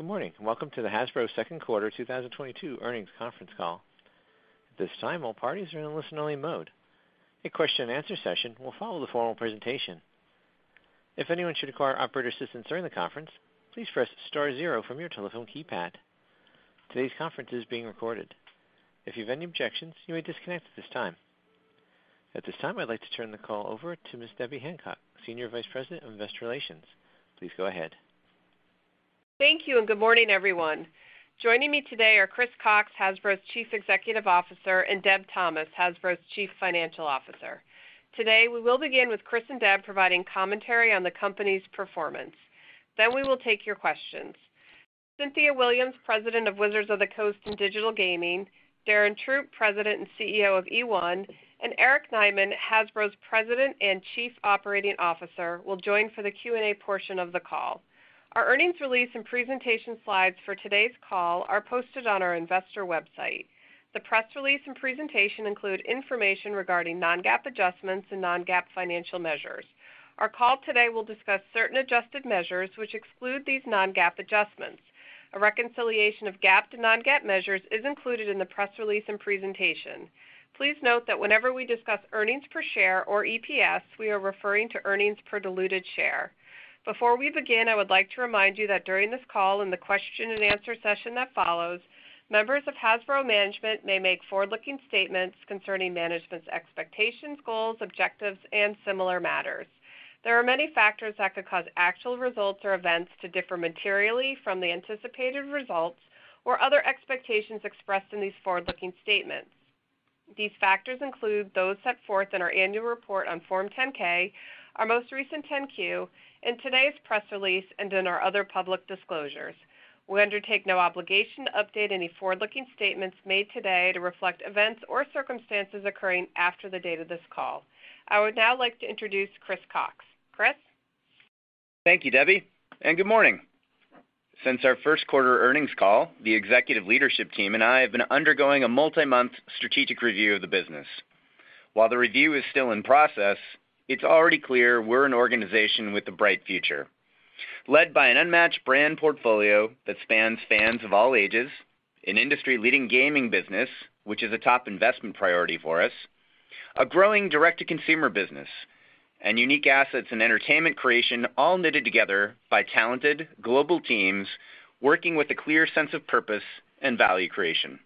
Good morning, and welcome to the Hasbro Q2 2022 Earnings Conference Call. At this time, all parties are in a listen only mode. A question and answer session will follow the formal presentation. If anyone should require operator assistance during the conference, please press star zero from your telephone keypad. Today's conference is being recorded. If you have any objections, you may disconnect at this time. At this time, I'd like to turn the call over to Ms. Debbie Hancock, Senior Vice President of Investor Relations. Please go ahead. Thank you, and good morning, everyone. Joining me today are Chris Cocks, Hasbro's Chief Executive Officer, and Deb Thomas, Hasbro's Chief Financial Officer. Today, we will begin with Chris and Deb providing commentary on the company's performance. We will take your questions. Cynthia Williams, President of Wizards of the Coast and Digital Gaming, Darren Throop, President and CEO of eOne, and Eric Nyman, Hasbro's President and Chief Operating Officer, will join for the Q&A portion of the call. Our earnings release and presentation slides for today's call are posted on our investor website. The press release and presentation include information regarding non-GAAP adjustments and non-GAAP financial measures. Our call today will discuss certain adjusted measures which exclude these non-GAAP adjustments. A reconciliation of GAAP to non-GAAP measures is included in the press release and presentation. Please note that whenever we discuss earnings per share or EPS, we are referring to earnings per diluted share. Before we begin, I would like to remind you that during this call and the question and answer session that follows, members of Hasbro management may make forward-looking statements concerning management's expectations, goals, objectives, and similar matters. There are many factors that could cause actual results or events to differ materially from the anticipated results or other expectations expressed in these forward-looking statements. These factors include those set forth in our annual report on Form 10-K, our most recent 10-Q, in today's press release, and in our other public disclosures. We undertake no obligation to update any forward-looking statements made today to reflect events or circumstances occurring after the date of this call. I would now like to introduce Chris Cocks. Chris? Thank you, Debbie, and good morning. Since our Q1 earnings call, the executive leadership team and I have been undergoing a multi-month strategic review of the business. While the review is still in process, it's already clear we're an organization with a bright future, led by an unmatched brand portfolio that spans fans of all ages, an industry-leading gaming business, which is a top investment priority for us, a growing direct-to-consumer business, and unique assets and entertainment creation all knitted together by talented global teams working with a clear sense of purpose and value creation.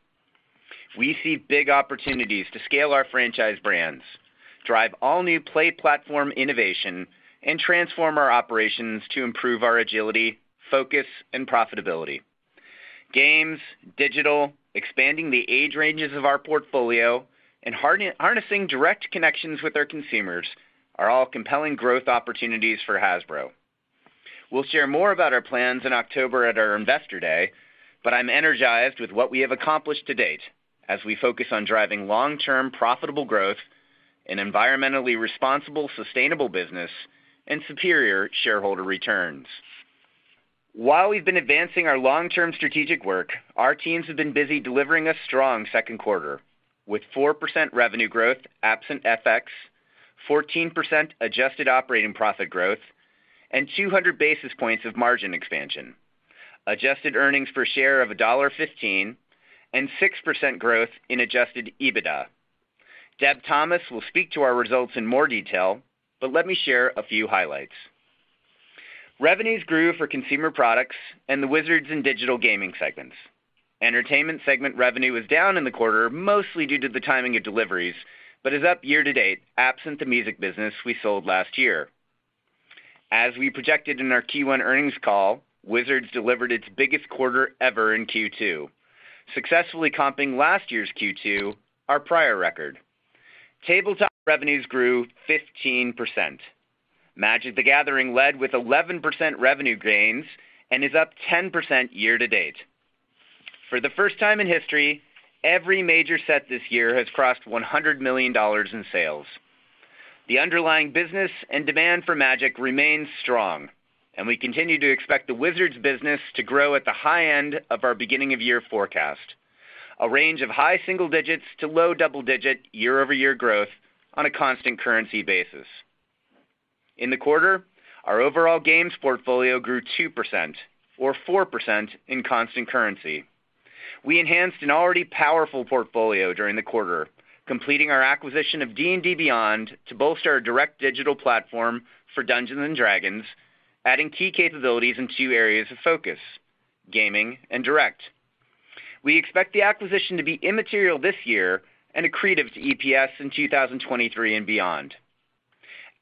We see big opportunities to scale our franchise brands, drive all new play platform innovation, and transform our operations to improve our agility, focus, and profitability. Games, digital, expanding the age ranges of our portfolio, and harnessing direct connections with our consumers are all compelling growth opportunities for Hasbro. We'll share more about our plans in October at our Investor Day, but I'm energized with what we have accomplished to date as we focus on driving long-term profitable growth and environmentally responsible, sustainable business and superior shareholder returns. While we've been advancing our long-term strategic work, our teams have been busy delivering a strong second quarter with 4% revenue growth absent FX, 14% adjusted operating profit growth, and 200 basis points of margin expansion, adjusted earnings per share of $1.15, and 6% growth in adjusted EBITDA. Deb Thomas will speak to our results in more detail, but let me share a few highlights. Revenues grew for Consumer Products and the Wizards and Digital Gaming segments. Entertainment segment revenue was down in the quarter, mostly due to the timing of deliveries, but is up year-to-date, absent the music business we sold last year. As we projected in our Q1 earnings call, Wizards delivered its biggest quarter ever in Q2, successfully comping last year's Q2 our prior record. Tabletop revenues grew 15%. Magic: The Gathering led with 11% revenue gains and is up 10% year-to-date. For the first time in history, every major set this year has crossed $100 million in sales. The underlying business and demand for Magic remains strong, and we continue to expect the Wizards business to grow at the high end of our beginning of year forecast, a range of high single digits to low double-digit year-over-year growth on a constant currency basis. In the quarter, our overall games portfolio grew 2% or 4% in constant currency. We enhanced an already powerful portfolio during the quarter, completing our acquisition of D&D Beyond to bolster our direct digital platform for Dungeons & Dragons, adding key capabilities in two areas of focus, gaming and direct. We expect the acquisition to be immaterial this year and accretive to EPS in 2023 and beyond.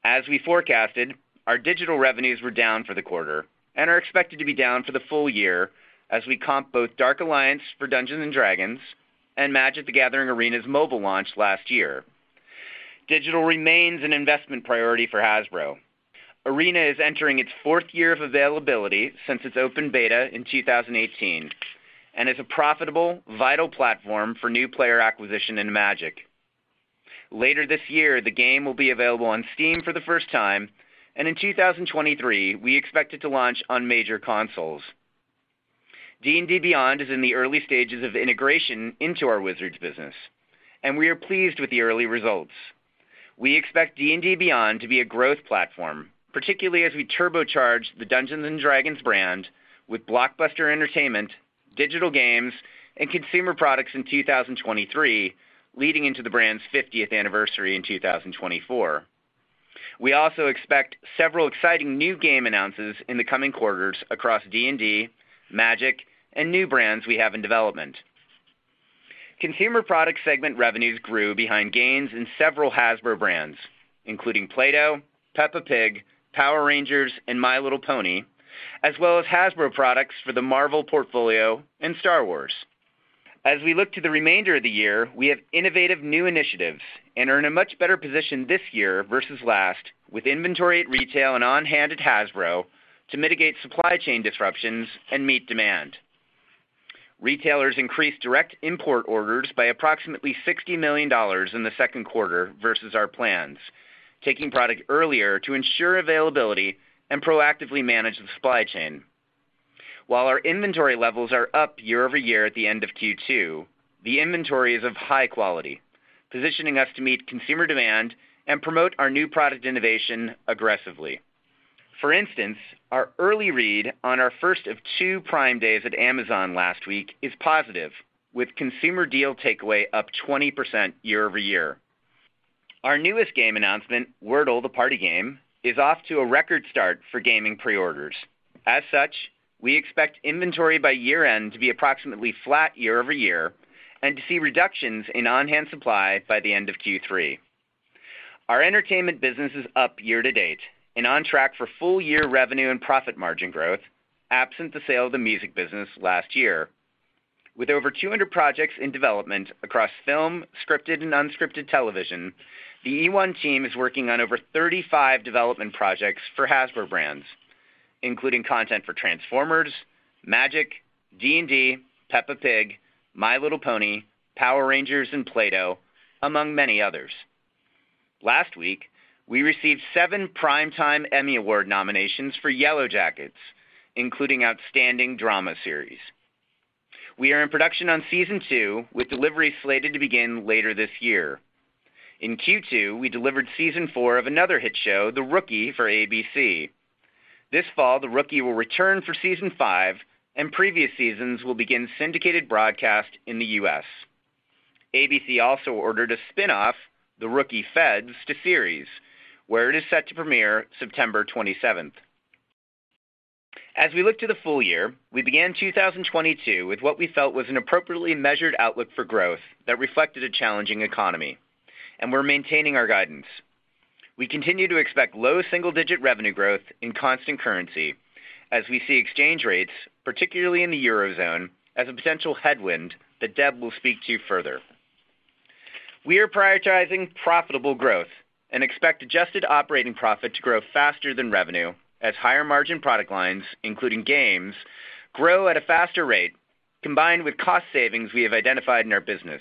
As we forecasted, our digital revenues were down for the quarter and are expected to be down for the full year as we comp both Dark Alliance for Dungeons & Dragons and Magic: The Gathering Arena's mobile launch last year. Digital remains an investment priority for Hasbro. Arena is entering its fourth year of availability since its open beta in 2018 and is a profitable, vital platform for new player acquisition in Magic. Later this year, the game will be available on Steam for the first time, and in 2023, we expect it to launch on major consoles. D&D Beyond is in the early stages of integration into our Wizards business, and we are pleased with the early results. We expect D&D Beyond to be a growth platform, particularly as we turbocharge the Dungeons & Dragons brand with blockbuster entertainment, digital games, and consumer products in 2023, leading into the brand's fiftieth anniversary in 2024. We also expect several exciting new game announcements in the coming quarters across D&D, Magic, and new brands we have in development. Consumer products segment revenues grew behind gains in several Hasbro brands, including Play-Doh, Peppa Pig, Power Rangers, and My Little Pony, as well as Hasbro products for the Marvel portfolio and Star Wars. As we look to the remainder of the year, we have innovative new initiatives and are in a much better position this year versus last with inventory at retail and on-hand at Hasbro to mitigate supply chain disruptions and meet demand. Retailers increased direct import orders by approximately $60 million in the Q2 versus our plans, taking product earlier to ensure availability and proactively manage the supply chain. While our inventory levels are up year-over-year at the end of Q2, the inventory is of high quality, positioning us to meet consumer demand and promote our new product innovation aggressively. For instance, our early read on our first of two Prime Days at Amazon last week is positive, with consumer deal takeaway up 20% year-over-year. Our newest game announcement, Wordle: The Party Game, is off to a record start for gaming pre-orders. As such, we expect inventory by year-end to be approximately flat year-over-year and to see reductions in on-hand supply by the end of Q3. Our entertainment business is up year-to-date and on track for full-year revenue and profit margin growth, absent the sale of the music business last year. With over 200 projects in development across film, scripted and unscripted television, the eOne team is working on over 35 development projects for Hasbro brands, including content for Transformers, Magic, D&D, Peppa Pig, My Little Pony, Power Rangers, and Play-Doh, among many others. Last week, we received 7 Primetime Emmy Award nominations for Yellowjackets, including Outstanding Drama Series. We are in production on season 2, with delivery slated to begin later this year. In Q2, we delivered season 4 of another hit show, The Rookie, for ABC. This fall, The Rookie will return for season five, and previous seasons will begin syndicated broadcast in the U.S. ABC also ordered a spin-off, The Rookie: Feds, to series, where it is set to premiere September 27. As we look to the full year, we began 2022 with what we felt was an appropriately measured outlook for growth that reflected a challenging economy, and we're maintaining our guidance. We continue to expect low single-digit revenue growth in constant currency as we see exchange rates, particularly in the Eurozone, as a potential headwind that Deb will speak to further. We are prioritizing profitable growth and expect adjusted operating profit to grow faster than revenue as higher-margin product lines, including games, grow at a faster rate, combined with cost savings we have identified in our business.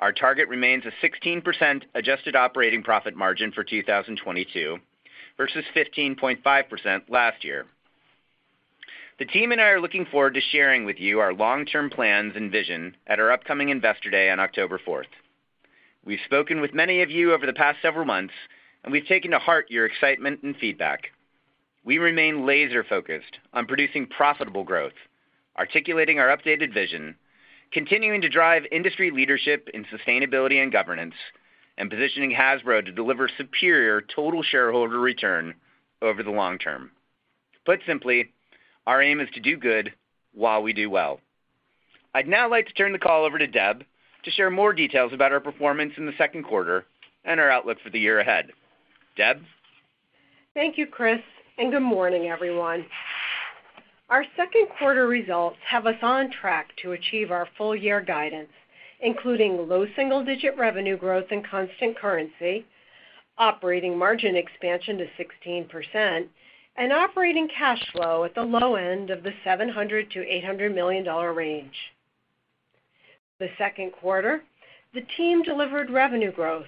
Our target remains a 16% adjusted operating profit margin for 2022 versus 15.5% last year. The team and I are looking forward to sharing with you our long-term plans and vision at our upcoming Investor Day on October 4. We've spoken with many of you over the past several months, and we've taken to heart your excitement and feedback. We remain laser-focused on producing profitable growth, articulating our updated vision, continuing to drive industry leadership in sustainability and governance, and positioning Hasbro to deliver superior total shareholder return over the long term. Put simply, our aim is to do good while we do well. I'd now like to turn the call over to Deb to share more details about our performance in the second quarter and our outlook for the year ahead. Deb? Thank you, Chris, and good morning, everyone. Our second quarter results have us on track to achieve our full year guidance, including low single-digit revenue growth in constant currency, operating margin expansion to 16%, and operating cash flow at the low end of the $700 million-$800 million range. The second quarter, the team delivered revenue growth,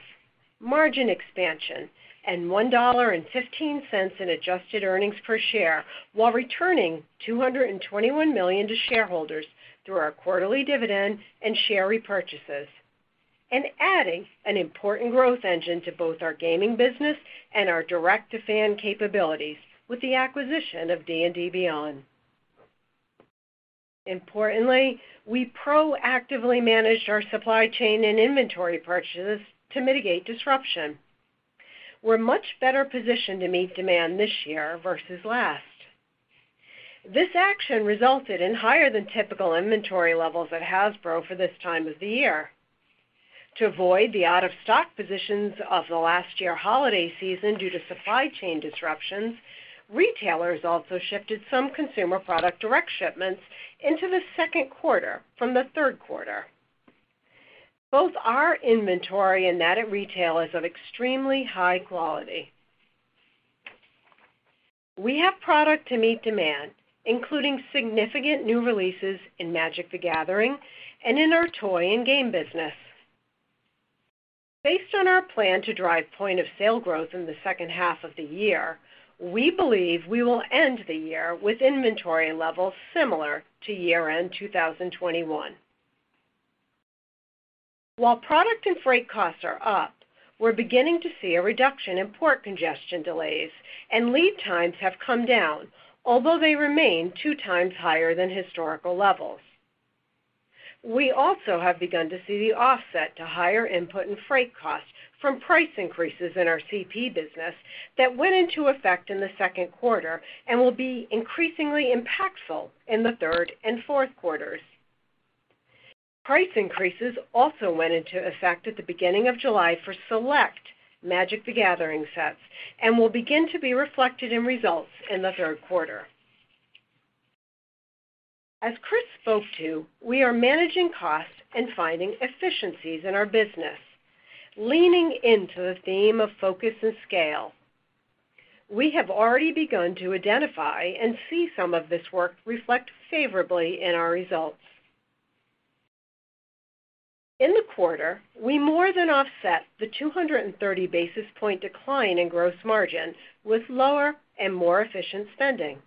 margin expansion, and $1.15 in adjusted earnings per share while returning $221 million to shareholders through our quarterly dividend and share repurchases and adding an important growth engine to both our gaming business and our direct-to-fan capabilities with the acquisition of D&D Beyond. Importantly, we proactively managed our supply chain and inventory purchases to mitigate disruption. We're much better positioned to meet demand this year versus last. This action resulted in higher than typical inventory levels at Hasbro for this time of the year. To avoid the out-of-stock positions of the last year holiday season due to supply chain disruptions, retailers also shifted some consumer product direct shipments into the second quarter from the third quarter. Both our inventory and that at retail is of extremely high quality. We have product to meet demand, including significant new releases in Magic: The Gathering and in our toy and game business. Based on our plan to drive point-of-sale growth in the second half of the year, we believe we will end the year with inventory levels similar to year-end 2021. While product and freight costs are up, we're beginning to see a reduction in port congestion delays and lead times have come down, although they remain 2.0x higher than historical levels. We also have begun to see the offset to higher input and freight costs from price increases in our CP business that went into effect in the Q2 and will be increasingly impactful in the Q3 and Q4. Price increases also went into effect at the beginning of July for select Magic: The Gathering sets and will begin to be reflected in results in the Q3. As Chris spoke to, we are managing costs and finding efficiencies in our business, leaning into the theme of focus and scale. We have already begun to identify and see some of this work reflect favorably in our results. In the quarter, we more than offset the 230 basis points decline in gross margins with lower and more efficient spending.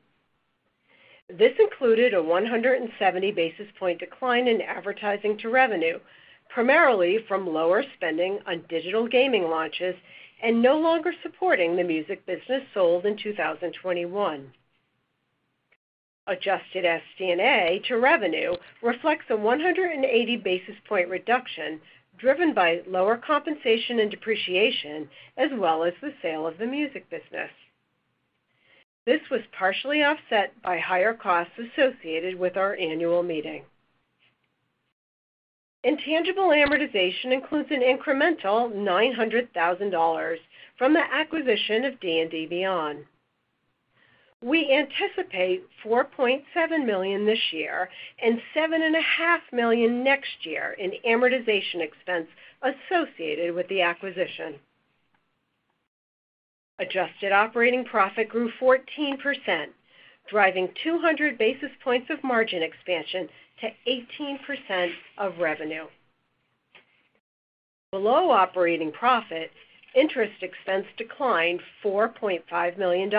This included a 170 basis point decline in advertising to revenue, primarily from lower spending on digital gaming launches and no longer supporting the music business sold in 2021. Adjusted SG&A to revenue reflects a 180 basis point reduction driven by lower compensation and depreciation as well as the sale of the music business. This was partially offset by higher costs associated with our annual meeting. Intangible amortization includes an incremental $900,000 from the acquisition of D&D Beyond. We anticipate $4.7 million this year and $7.5 million next year in amortization expense associated with the acquisition. Adjusted operating profit grew 14%, driving 200 basis points of margin expansion to 18% of revenue. Below operating profit, interest expense declined $4.5 million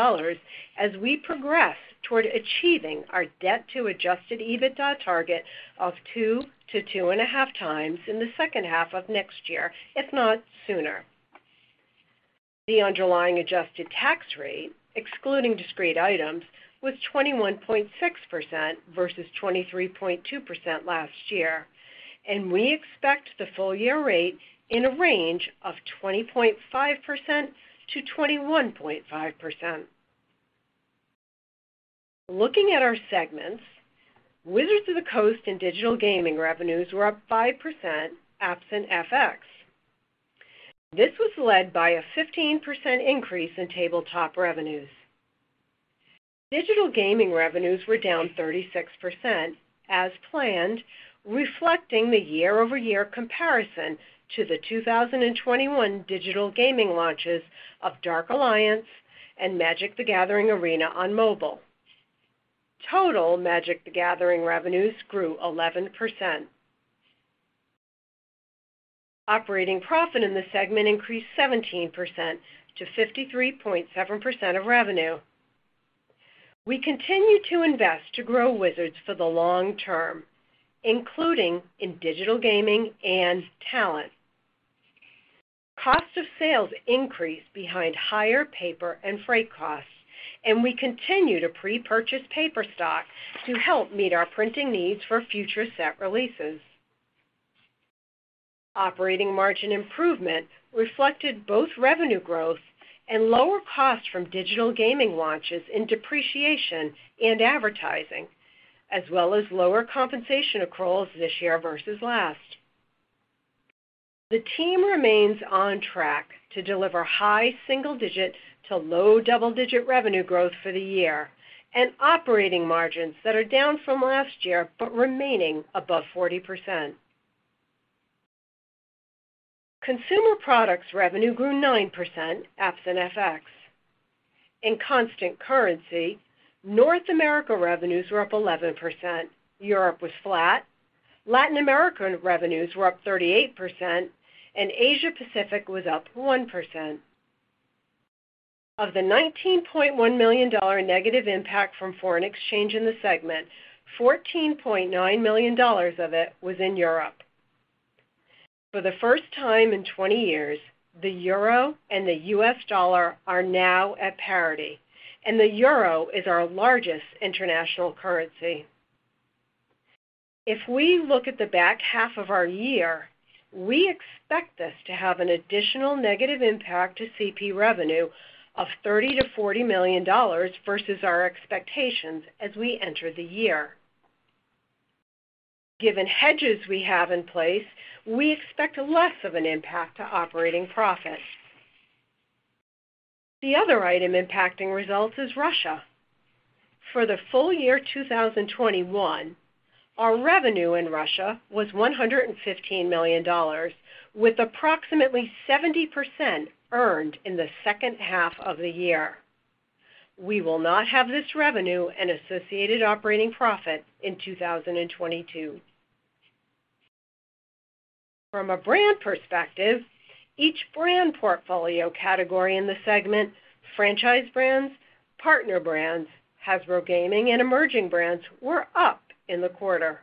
as we progress toward achieving our debt to adjusted EBITDA target of 2.0x-2.5x in the H2 of next year, if not sooner. The underlying adjusted tax rate, excluding discrete items, was 21.6% versus 23.2% last year, and we expect the full-year rate in a range of 20.5%-21.5%. Looking at our segments, Wizards of the Coast and Digital Gaming revenues were up 5% absent FX. This was led by a 15% increase in tabletop revenues. Digital gaming revenues were down 36% as planned, reflecting the year-over-year comparison to the 2021 digital gaming launches of Dark Alliance and Magic: The Gathering Arena on mobile. Total Magic: The Gathering revenues grew 11%. Operating profit in the segment increased 17% to 53.7% of revenue. We continue to invest to grow Wizards for the long term, including in digital gaming and talent. Cost of sales increased behind higher paper and freight costs and we continue to pre-purchase paper stock to help meet our printing needs for future set releases. Operating margin improvement reflected both revenue growth and lower costs from digital gaming launches in depreciation and advertising, as well as lower compensation accruals this year versus last. The team remains on track to deliver high single-digit to low double-digit revenue growth for the year and operating margins that are down from last year but remaining above 40%. Consumer products revenue grew 9% absent FX. In constant currency, North America revenues were up 11%, Europe was flat, Latin American revenues were up 38%, and Asia Pacific was up 1%. Of the $19.1 million negative impact from foreign exchange in the segment, $14.9 million of it was in Europe. For the first time in 20 years, the euro and the US dollar are now at parity and the euro is our largest international currency. If we look at the back half of our year, we expect this to have an additional negative impact to CP revenue of $30 million-$40 million versus our expectations as we enter the year. Given hedges we have in place, we expect less of an impact to operating profit. The other item impacting results is Russia. For the full-year 2021, our revenue in Russia was $115 million with approximately 70% earned in the second half of the year. We will not have this revenue and associated operating profit in 2022. From a brand perspective, each brand portfolio category in the segment, franchise brands, partner brands, Hasbro Gaming, and emerging brands were up in the quarter.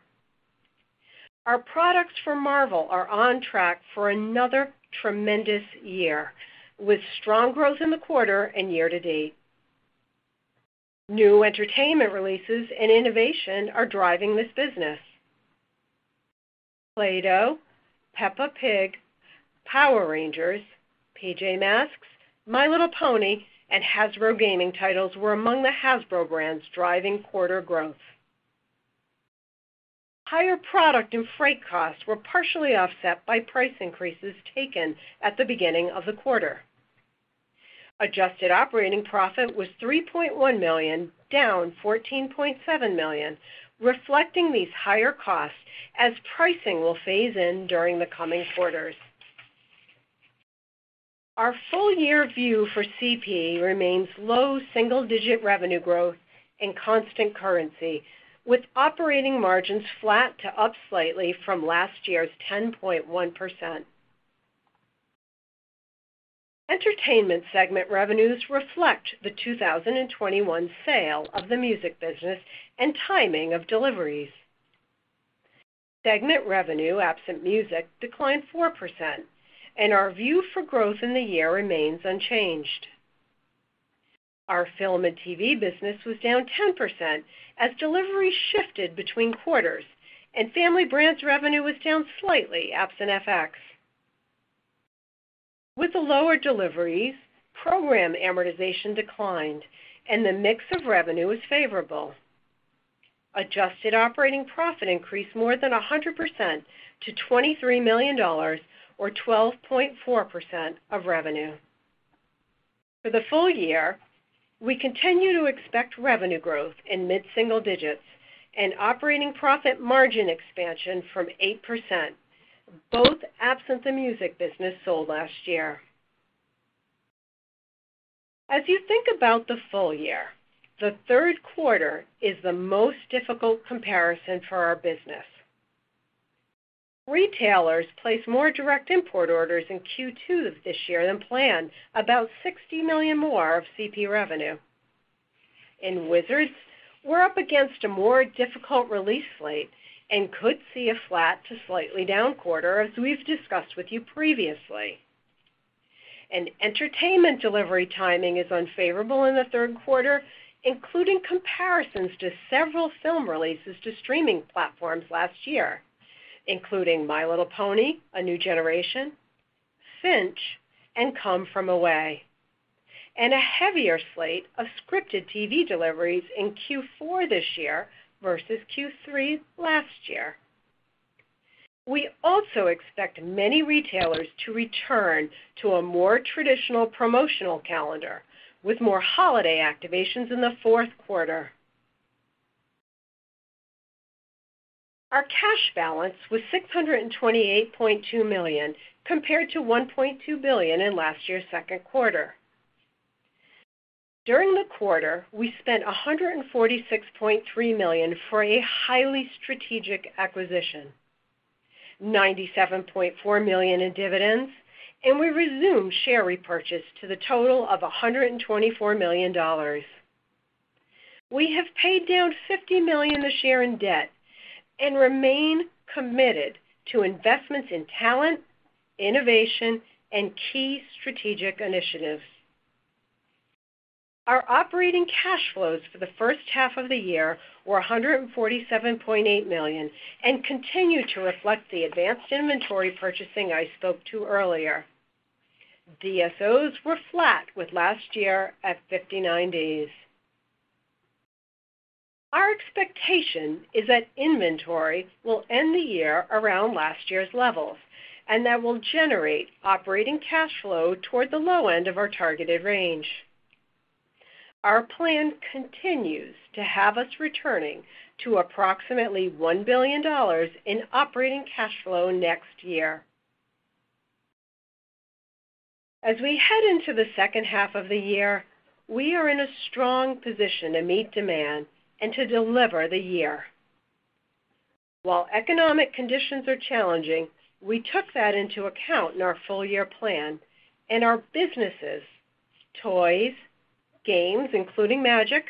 Our products for Marvel are on track for another tremendous year, with strong growth in the quarter and year to date. New entertainment releases and innovation are driving this business. Play-Doh, Peppa Pig, Power Rangers, PJ Masks, My Little Pony, and Hasbro Gaming titles were among the Hasbro brands driving quarter growth. Higher product and freight costs were partially offset by price increases taken at the beginning of the quarter. Adjusted operating profit was $3.1 million, down $14.7 million, reflecting these higher costs as pricing will phase in during the coming quarters. Our full year view for CP remains low single digit revenue growth in constant currency, with operating margins flat to up slightly from last year's 10.1%. Entertainment segment revenues reflect the 2021 sale of the music business and timing of deliveries. Segment revenue, absent music, declined 4%, and our view for growth in the year remains unchanged. Our film and TV business was down 10% as deliveries shifted between quarters, and Family Brands revenue was down slightly absent FX. With the lower deliveries, program amortization declined and the mix of revenue was favorable. Adjusted operating profit increased more than 100% to $23 million or 12.4% of revenue. For the full year, we continue to expect revenue growth in mid-single digits and operating profit margin expansion from 8%, both absent the music business sold last year. As you think about the full year, the third quarter is the most difficult comparison for our business. Retailers place more direct import orders in Q2 this year than planned, about $60 million more of CP revenue. In Wizards, we're up against a more difficult release slate and could see a flat to slightly down quarter, as we've discussed with you previously. Entertainment delivery timing is unfavorable in the third quarter, including comparisons to several film releases to streaming platforms last year, including My Little Pony: A New Generation, Finch, and Come From Away, and a heavier slate of scripted TV deliveries in Q4 this year versus Q3 last year. We also expect many retailers to return to a more traditional promotional calendar with more holiday activations in the fourth quarter. Our cash balance was $628.2 million, compared to $1.2 billion in last year's Q2. During the quarter, we spent $146.3 million for a highly strategic acquisition, $97.4 million in dividends, and we resumed share repurchase to the total of $124 million. We have paid down $50 million this year in debt and remain committed to investments in talent, innovation, and key strategic initiatives. Our operating cash flows for the first half of the year were $147.8 million and continue to reflect the advanced inventory purchasing I spoke to earlier. DSOs were flat with last year at 59 days. Our expectation is that inventory will end the year around last year's levels and that will generate operating cash flow toward the low end of our targeted range. Our plan continues to have us returning to approximately $1 billion in operating cash flow next year. As we head into the second half of the year, we are in a strong position to meet demand and to deliver the year. While economic conditions are challenging, we took that into account in our full year plan and our businesses, toys, games, including Magic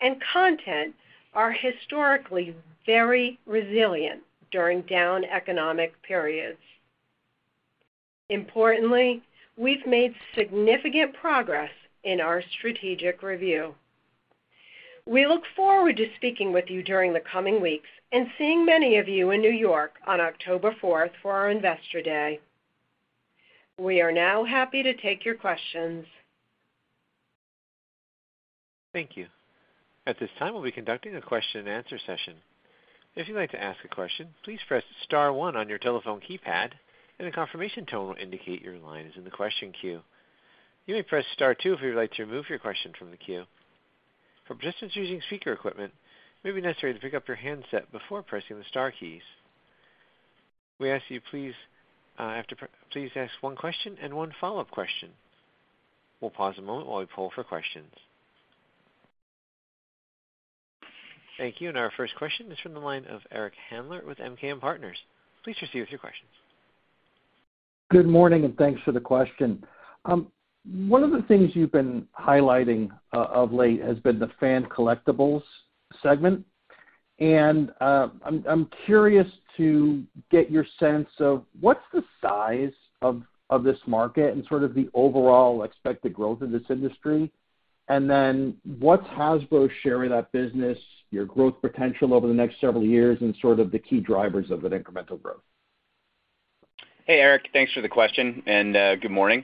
and Content, are historically very resilient during down economic periods. Importantly, we've made significant progress in our strategic review. We look forward to speaking with you during the coming weeks and seeing many of you in New York on October fourth for our Investor Day. We are now happy to take your questions. Thank you. At this time, we'll be conducting a question and answer session. If you'd like to ask a question, please press star one on your telephone keypad and a confirmation tone will indicate your line is in the question queue. You may press star two if you'd like to remove your question from the queue. For participants using speaker equipment, it may be necessary to pick up your handset before pressing the star keys. We ask you please ask one question and one follow-up question. We'll pause a moment while we poll for questions. Thank you. Our first question is from the line of Eric Handler with MKM Partners. Please proceed with your questions. Good morning, and thanks for the question. One of the things you've been highlighting of late has been the fan collectibles segment. I'm curious to get your sense of what's the size of this market and sort of the overall expected growth in this industry. What's Hasbro's share in that business, your growth potential over the next several years and sort of the key drivers of that incremental growth? Hey, Eric, thanks for the question and good morning.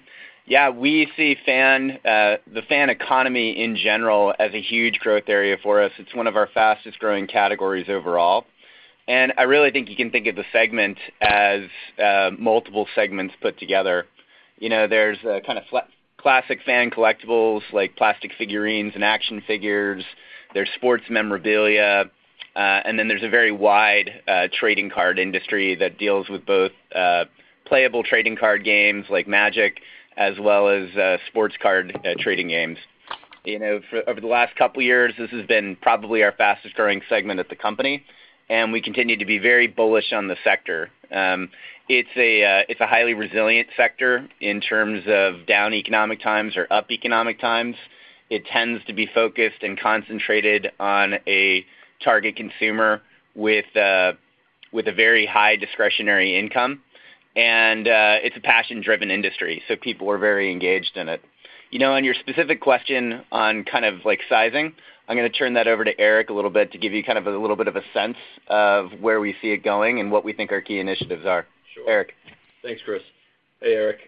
Yeah, we see the fan economy in general as a huge growth area for us. It's one of our fastest-growing categories overall. I really think you can think of the segment as multiple segments put together. You know, there's a kind of classic fan collectibles like plastic figurines and action figures, there's sports memorabilia, and then there's a very wide trading card industry that deals with both playable trading card games like Magic, as well as sports card trading games. You know, over the last couple of years, this has been probably our fastest growing segment at the company, and we continue to be very bullish on the sector. It's a highly resilient sector in terms of down economic times or up economic times. It tends to be focused and concentrated on a target consumer with a very high discretionary income. It's a passion-driven industry, so people are very engaged in it. On your specific question on kind of like sizing, I'm gonna turn that over to Eric a little bit to give you kind of a little bit of a sense of where we see it going and what we think our key initiatives are. Sure. Eric. Thanks, Chris. Hey, Eric.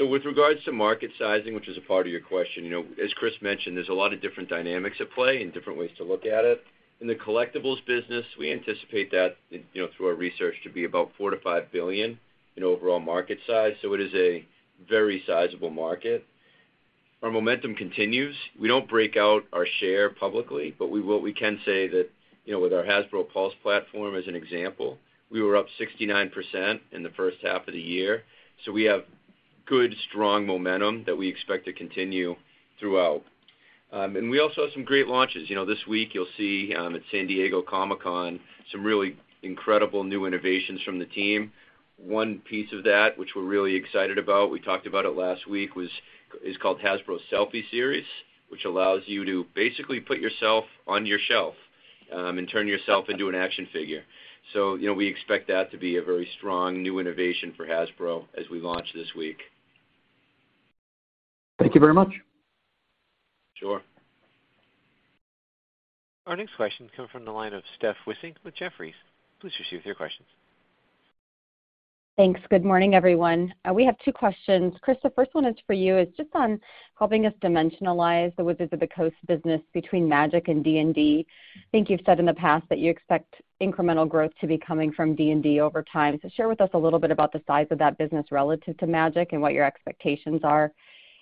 With regards to market sizing, which is a part of your question, as Chris mentioned, there's a lot of different dynamics at play and different ways to look at it. In the collectibles business, we anticipate that, through our research to be about $4 billion-$5 billion in overall market size. It is a very sizable market. Our momentum continues. We don't break out our share publicly, but we can say that, you know, with our Hasbro Pulse platform, as an example, we were up 69% in the H1 of the year. We have good, strong momentum that we expect to continue throughout. We also have some great launches. This week you'll see, at San Diego Comic-Con some really incredible new innovations from the team. One piece of that, which we're really excited about, we talked about it last week, is called Hasbro Selfie Series, which allows you to basically put yourself on your shelf, and turn yourself into an action figure. You know, we expect that to be a very strong new innovation for Hasbro as we launch this week. Thank you very much. Sure. Our next question comes from the line of Steph Wissink with Jefferies. Please proceed with your questions. Thanks. Good morning, everyone. We have two questions. Chris, the first one is for you. It's just on helping us dimensionalize the Wizards of the Coast business between Magic and D&D. I think you've said in the past that you expect incremental growth to be coming from D&D over time. Share with us a little bit about the size of that business relative to Magic and what your expectations are.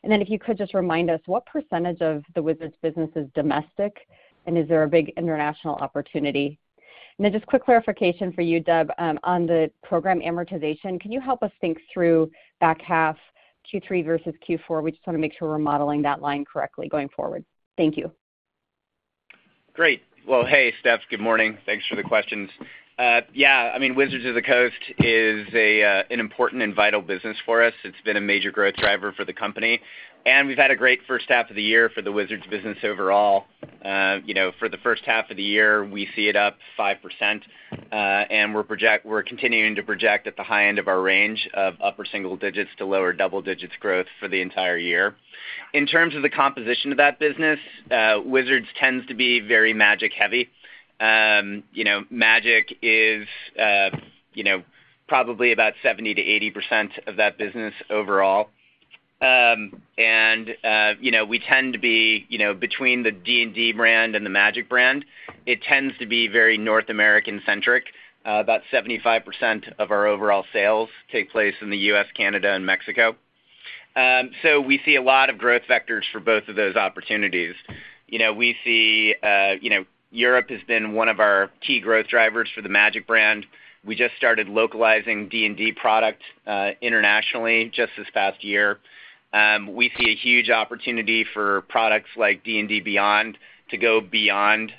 Then if you could just remind us what percentage of the Wizards business is domestic, and is there a big international opportunity? Then just quick clarification for you, Deb, on the program amortization, can you help us think through back half Q3 versus Q4? We just wanna make sure we're modeling that line correctly going forward. Thank you. Great. Well, hey, Steph. Good morning. Thanks for the questions. Yeah, I mean, Wizards of the Coast is an important and vital business for us. It's been a major growth driver for the company, and we've had a great first half of the year for the Wizards business overall. For the H1 of the year, we see it up 5%, and we're continuing to project at the high end of our range of upper single digits to lower double digits growth for the entire year. In terms of the composition of that business, Wizards tends to be very Magic heavy. You know, Magic is, you know, probably about 70%-80% of that business overall. We tend to be, between the D&D brand and the Magic brand, it tends to be very North American-centric. About 75% of our overall sales take place in the U.S., Canada, and Mexico. We see a lot of growth vectors for both of those opportunities. You know, we see, you know, Europe has been one of our key growth drivers for the Magic brand. We just started localizing D&D product internationally just this past year. We see a huge opportunity for products like D&D Beyond to go beyond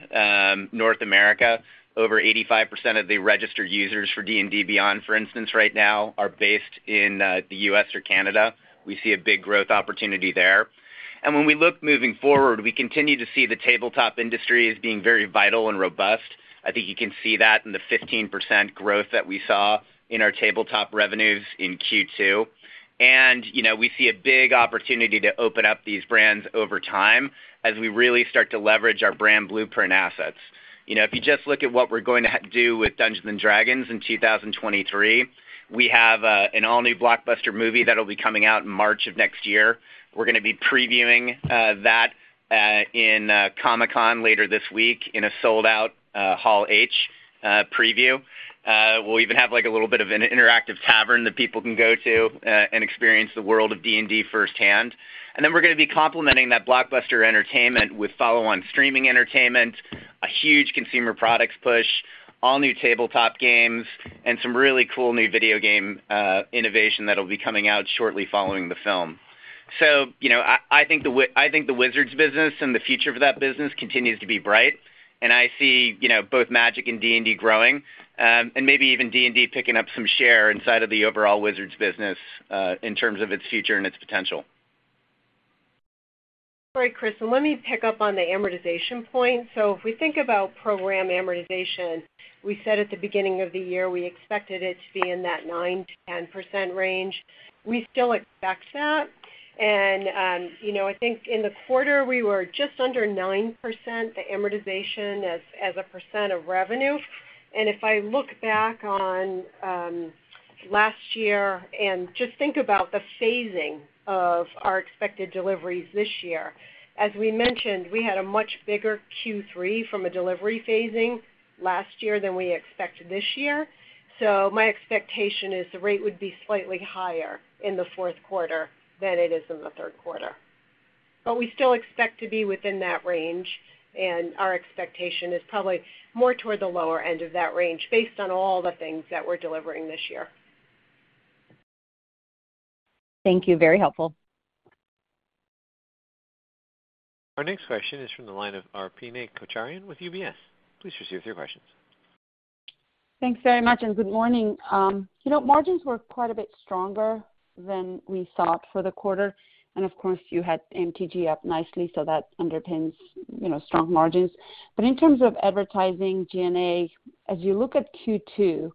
North America. Over 85% of the registered users for D&D Beyond, for instance, right now are based in the U.S. or Canada. We see a big growth opportunity there. When we look moving forward, we continue to see the tabletop industry as being very vital and robust. I think you can see that in the 15% growth that we saw in our tabletop revenues in Q2. We see a big opportunity to open up these brands over time as we really start to leverage our brand blueprint assets. You know, if you just look at what we're going to do with Dungeons & Dragons in 2023, we have an all-new blockbuster movie that'll be coming out in March of next year. We're gonna be previewing that in Comic-Con later this week in a sold-out Hall H presentation. We'll even have like a little bit of an interactive tavern that people can go to and experience the world of D&D firsthand. We're gonna be complementing that blockbuster entertainment with follow-on streaming entertainment, a huge consumer products push, all new tabletop games, and some really cool new video game innovation that'll be coming out shortly following the film. I think the Wizards business and the future for that business continues to be bright, and I see, both Magic and D&D growing, and maybe even D&D picking up some share inside of the overall Wizards business, in terms of its future and its potential. Great, Chris, let me pick up on the amortization point. If we think about program amortization, we said at the beginning of the year, we expected it to be in that 9%-10% range. We still expect that. I think in the quarter, we were just under 9%, the amortization as a percent of revenue. If I look back on last year and just think about the phasing of our expected deliveries this year, as we mentioned, we had a much bigger Q3 from a delivery phasing last year than we expect this year. My expectation is the rate would be slightly higher in the fourth quarter than it is in the Q3. We still expect to be within that range, and our expectation is probably more toward the lower end of that range based on all the things that we're delivering this year. Thank you. Very helpful. Our next question is from the line of Arpine Kocharyan with UBS. Please proceed with your questions. Thanks very much, and good morning. Margins were quite a bit stronger than we thought for the quarter, and of course, you had MTG up nicely, so that underpins, strong margins. In terms of SG&A, as you look at Q2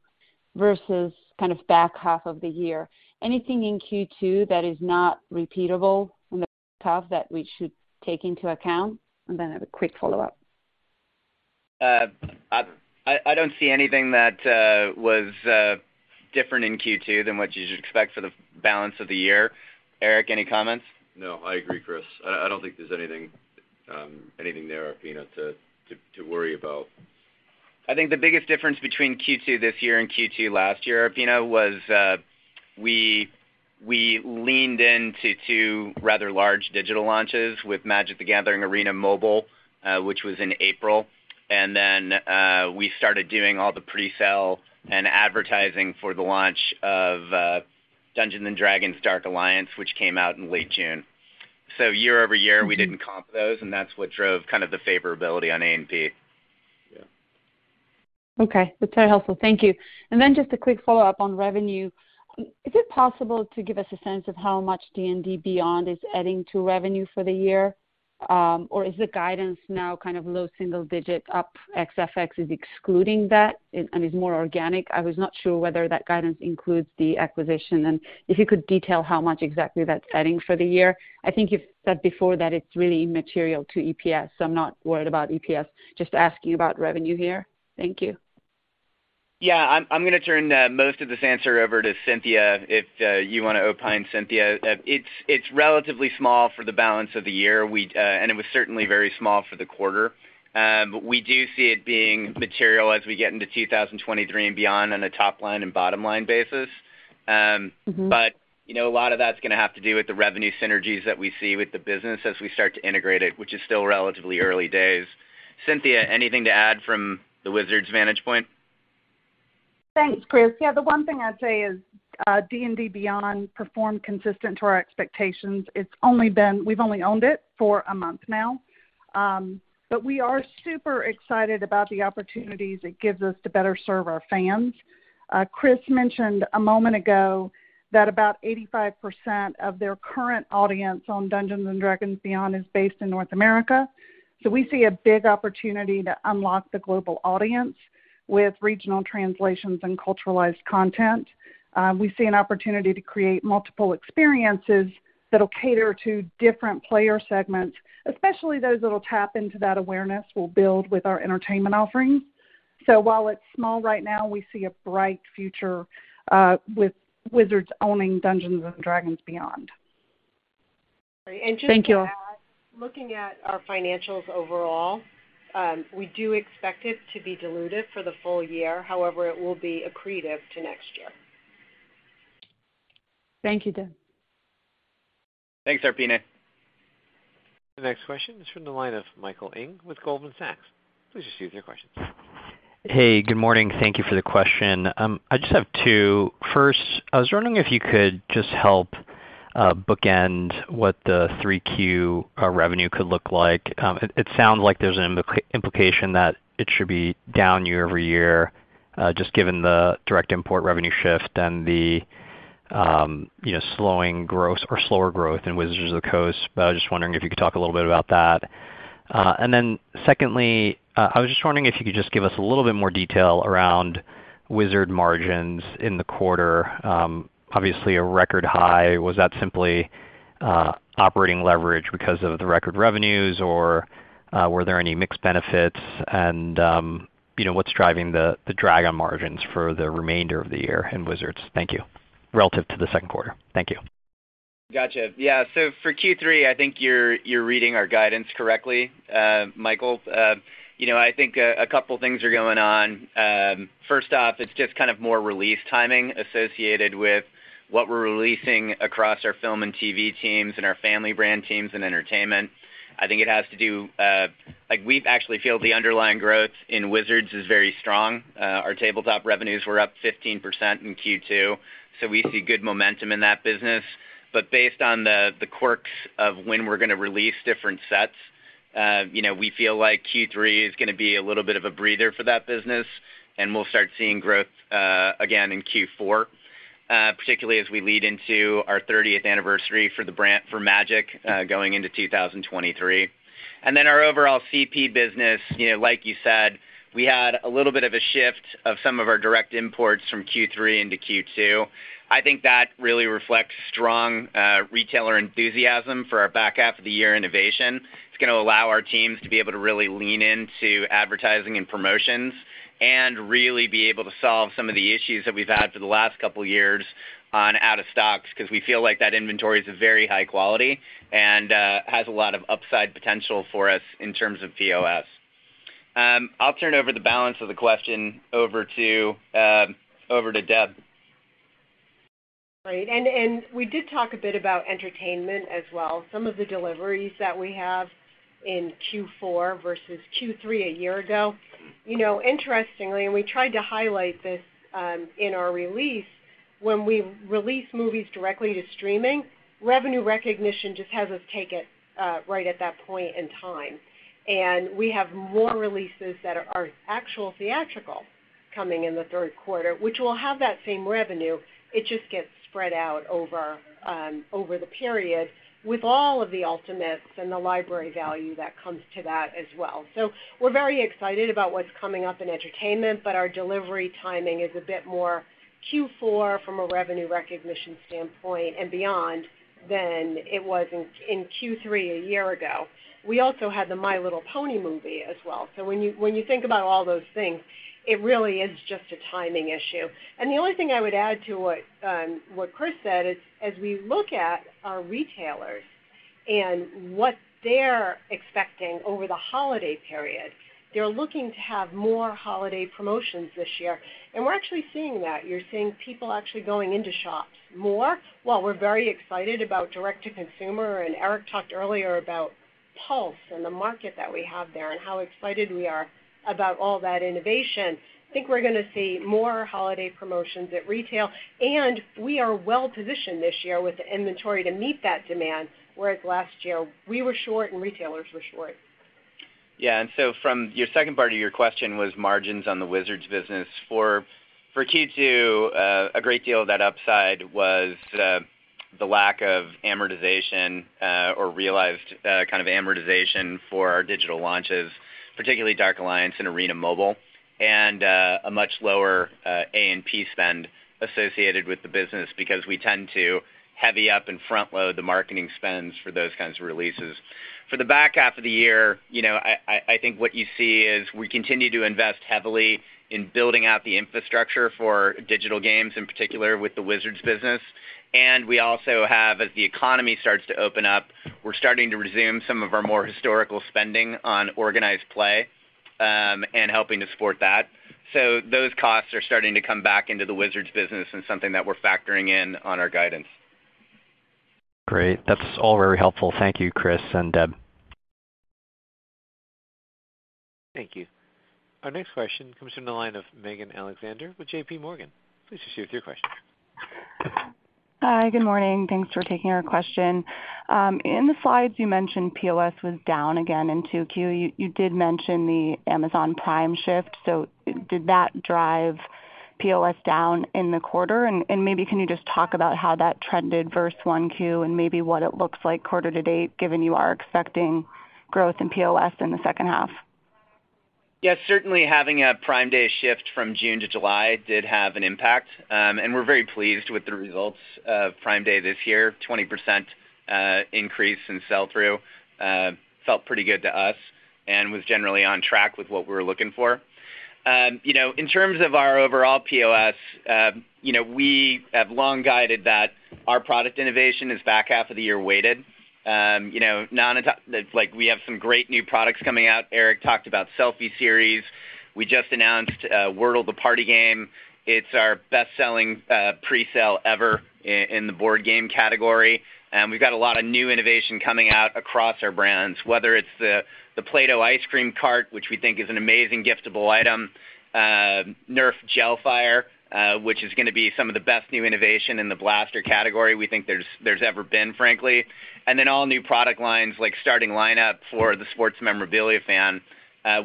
versus kind of back half of the year, anything in Q2 that is not repeatable from the back half that we should take into account? And then I have a quick follow-up. I don't see anything that was different in Q2 than what you should expect for the balance of the year. Eric, any comments? No, I agree, Chris. I don't think there's anything there, Arpine, to worry about. I think the biggest difference between Q2 this year and Q2 last year, Arpine, was, we leaned into two rather large digital launches with Magic: The Gathering Arena Mobile, which was in April. Then, we started doing all the presale and advertising for the launch of, Dungeons & Dragons Dark Alliance, which came out in late June. Year-over-year, we didn't comp those, and that's what drove kind of the favorability on A&P. Yeah. Okay. That's very helpful. Thank you. Just a quick follow-up on revenue. Is it possible to give us a sense of how much D&D Beyond is adding to revenue for the year? Or is the guidance now kind of low single-digit up ex FX is excluding that and is more organic? I was not sure whether that guidance includes the acquisition. If you could detail how much exactly that's adding for the year. I think you've said before that it's really immaterial to EPS, so I'm not worried about EPS. Just asking about revenue here. Thank you. Yeah. I'm gonna turn most of this answer over to Cynthia, if you wanna opine, Cynthia. It's relatively small for the balance of the year. It was certainly very small for the quarter. We do see it being material as we get into 2023 and beyond on a top line and bottom-line basis. Mm-hmm. You know, a lot of that's gonna have to do with the revenue synergies that we see with the business as we start to integrate it, which is still relatively early days. Cynthia, anything to add from the Wizards vantage point? Thanks, Chris. Yeah. The one thing I'd say is, D&D Beyond performed consistent with our expectations. We've only owned it for a month now. We are super excited about the opportunities it gives us to better serve our fans. Chris mentioned a moment ago that about 85% of their current audience on Dungeons & Dragons Beyond is based in North America. We see a big opportunity to unlock the global audience with regional translations and culturalized content. We see an opportunity to create multiple experiences that'll cater to different player segments, especially those that'll tap into that awareness we'll build with our entertainment offerings. While it's small right now, we see a bright future with Wizards owning Dungeons & Dragons Beyond. Thank you. Just to add, looking at our financials overall, we do expect it to be dilutive for the full-year. However, it will be accretive to next year. Thank you, Deb. Thanks, Arpine. The next question is from the line of Michael Ng with Goldman Sachs. Please proceed with your questions. Hey, good morning. Thank you for the question. I just have two. First, I was wondering if you could just help bookend what the 3Q revenue could look like. It sounds like there's an implication that it should be down year-over-year, just given the direct import revenue shift and the, you know, slowing growth or slower growth in Wizards of the Coast. I was just wondering if you could talk a little bit about that. And then secondly, I was just wondering if you could just give us a little bit more detail around Wizards margins in the quarter. Obviously a record high. Was that simply operating leverage because of the record revenues, or were there any mixed benefits? You know, what's driving the drag on margins for the remainder of the year in Wizards? Thank you. Relative to the second quarter. Thank you. Gotcha. Yeah. For Q3, I think you're reading our guidance correctly, Michael. I think a couple things are going on. First off, it's just kind of more release timing associated with what we're releasing across our film and TV teams and our family brand teams and entertainment. I think it has to do like we actually feel the underlying growth in Wizards is very strong. Our tabletop revenues were up 15% in Q2, so we see good momentum in that business. Based on the quirks of when we're gonna release different sets, you know, we feel like Q3 is gonna be a little bit of a breather for that business, and we'll start seeing growth again in Q4, particularly as we lead into our thirtieth anniversary for the brand for Magic, going into 2023. Then our overall CP business, you know, like you said, we had a little bit of a shift of some of our direct imports from Q3 into Q2. I think that really reflects strong retailer enthusiasm for our back half of the year innovation. It's gonna allow our teams to be able to really lean into advertising and promotions and really be able to solve some of the issues that we've had for the last couple years on out of stocks, 'cause we feel like that inventory is very high quality and has a lot of upside potential for us in terms of POS. I'll turn over the balance of the question over to Deb. Right. We did talk a bit about entertainment as well, some of the deliveries that we have in Q4 versus Q3 a year ago. You know, interestingly, we tried to highlight this in our release, when we release movies directly to streaming, revenue recognition just has us take it right at that point in time. We have more releases that are actual theatrical coming in the third quarter, which will have that same revenue. It just gets spread out over the period with all of the ultimates and the library value that comes to that as well. We're very excited about what's coming up in entertainment, but our delivery timing is a bit more Q4 from a revenue recognition standpoint and beyond than it was in Q3 a year ago. We also had the My Little Pony movie as well. When you think about all those things, it really is just a timing issue. The only thing I would add to what Chris said is, as we look at our retailers and what they're expecting over the holiday period, they're looking to have more holiday promotions this year. We're actually seeing that. You're seeing people actually going into shops more. While we're very excited about direct-to-consumer, and Eric talked earlier about Pulse and the market that we have there and how excited we are about all that innovation, I think we're gonna see more holiday promotions at retail, and we are well positioned this year with the inventory to meet that demand, whereas last year, we were short and retailers were short. From your second part of your question was margins on the Wizards business. For Q2, a great deal of that upside was the lack of amortization or realized kind of amortization for our digital launches, particularly Dark Alliance and Arena Mobile, and a much lower A&P spend associated with the business because we tend to heavy up and front load the marketing spends for those kinds of releases. For the back half of the year, you know, I think what you see is we continue to invest heavily in building out the infrastructure for digital games, in particular with the Wizards business. We also have, as the economy starts to open up, we're starting to resume some of our more historical spending on organized play and helping to support that. Those costs are starting to come back into the Wizards business and something that we're factoring in on our guidance. Great. That's all very helpful. Thank you, Chris and Deb. Thank you. Our next question comes from the line of Megan Alexander with JPMorgan. Please proceed with your question. Hi. Good morning. Thanks for taking our question. In the slides, you mentioned POS was down again in Q2. You did mention the Amazon Prime shift. Did that drive POS down in the quarter? Maybe can you just talk about how that trended versus Q1 and maybe what it looks like quarter to date, given you are expecting growth in POS in the H2? Yeah, certainly having a Prime Day shift from June to July did have an impact. We're very pleased with the results of Prime Day this year, 20% increase in sell through, felt pretty good to us and was generally on track with what we were looking for. You know, in terms of our overall POS, we have long guided that our product innovation is back half of the year weighted. It's like we have some great new products coming out. Eric talked about Selfie Series. We just announced Wordle The Party Game. It's our best-selling presale ever in the board game category. We've got a lot of new innovation coming out across our brands, whether it's the Play-Doh Ice Cream Cart, which we think is an amazing giftable item, Nerf Gelfire, which is gonna be some of the best new innovation in the blaster category we think there's ever been, frankly. All new product lines like Starting Lineup for the sports memorabilia fan.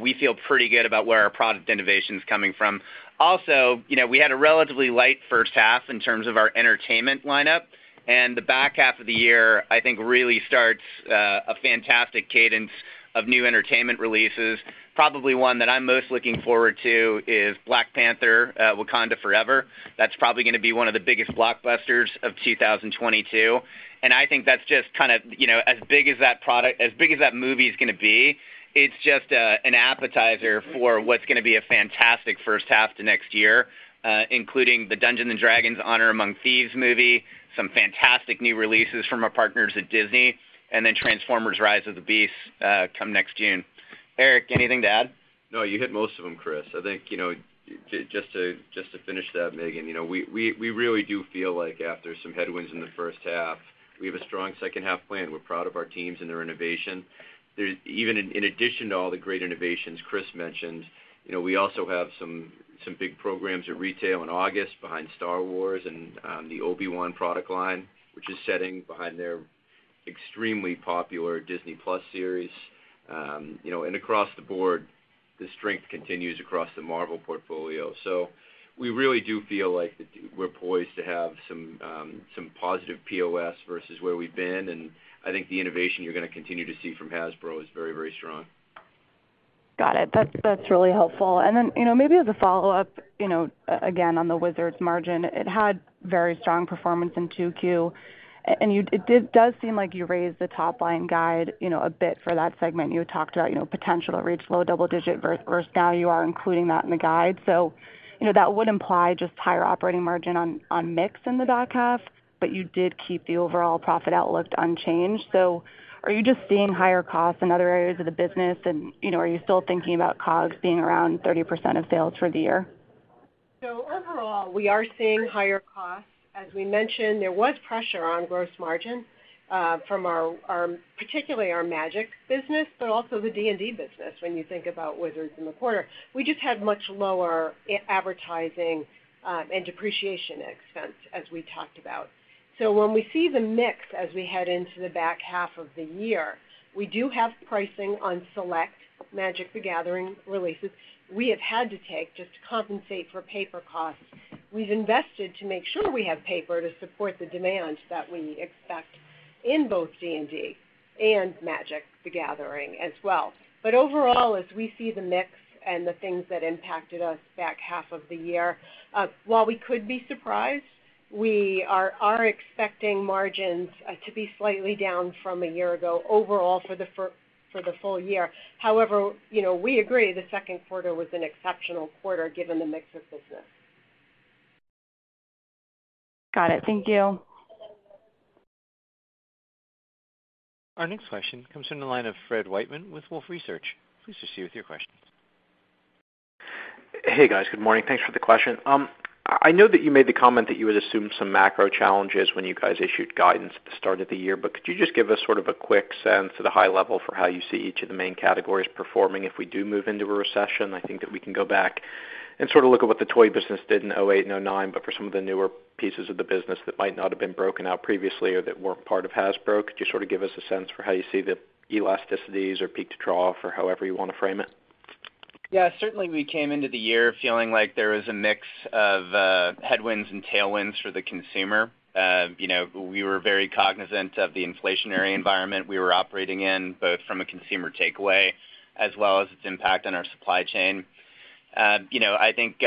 We feel pretty good about where our product innovation's coming from. Also, you know, we had a relatively light first half in terms of our entertainment lineup, and the back half of the year, I think, really starts a fantastic cadence of new entertainment releases. Probably one that I'm most looking forward to is Black Panther: Wakanda Forever. That's probably gonna be one of the biggest blockbusters of 2022. I think that's just kind of, as big as that product, as big as that movie is gonna be, it's just an appetizer for what's gonna be a fantastic H1 to next year, including the Dungeons & Dragons: Honor Among Thieves movie, some fantastic new releases from our partners at Disney, and then Transformers: Rise of the Beasts come next June. Eric, anything to add? No, you hit most of them, Chris. I think, just to finish that, Megan, we really do feel like after some headwinds in the first half, we have a strong second half plan. We're proud of our teams and their innovation. Even in addition to all the great innovations Chris mentioned, you know, we also have some big programs at retail in August behind Star Wars and the Obi-Wan product line, which is tied to their extremely popular Disney+ series. You know, across the board, the strength continues across the Marvel portfolio. We really do feel like we're poised to have some positive POS versus where we've been, and I think the innovation you're gonna continue to see from Hasbro is very, very strong. Got it. That's really helpful. Then, maybe as a follow-up, again, on the Wizards margin, it had very strong performance in Q2. It does seem like you raised the top line guide, a bit for that segment. You had talked about, potential to reach low double digit versus now you are including that in the guide. That would imply just higher operating margin on mix in the back half, but you did keep the overall profit outlook unchanged. Are you just seeing higher costs in other areas of the business and, are you still thinking about COGS being around 30% of sales for the year? Overall, we are seeing higher costs. As we mentioned, there was pressure on gross margin from our particularly our Magic business, but also the D&D business when you think about Wizards in the quarter. We just had much lower advertising and depreciation expense as we talked about. When we see the mix as we head into the back half of the year, we do have pricing on select Magic: The Gathering releases we have had to take just to compensate for paper costs. We've invested to make sure we have paper to support the demand that we expect in both D&D and Magic: The Gathering as well. Overall, as we see the mix and the things that impacted us back half of the year, while we could be surprised, we are expecting margins to be slightly down from a year ago overall for the full-year. However, we agree the second quarter was an exceptional quarter given the mix of business. Got it. Thank you. Our next question comes from the line of Fred Wightman with Wolfe Research. Please proceed with your questions. Hey, guys. Good morning. Thanks for the question. I know that you made the comment that you had assumed some macro challenges when you guys issued guidance at the start of the year, but could you just give us sort of a quick sense at a high level for how you see each of the main categories performing if we do move into a recession? I think that we can go back and sort of look at what the toy business did in 2008 and 2009, but for some of the newer pieces of the business that might not have been broken out previously or that weren't part of Hasbro, could you sort of give us a sense for how you see the elasticities or peak to trough or however you wanna frame it? Yeah, certainly we came into the year feeling like there was a mix of headwinds and tailwinds for the consumer. We were very cognizant of the inflationary environment we were operating in, both from a consumer takeaway as well as its impact on our supply chain. I think